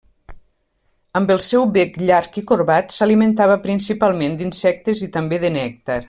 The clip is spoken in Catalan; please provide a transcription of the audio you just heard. Amb el seu bec llarg i corbat s'alimentava principalment d'insectes i també de nèctar.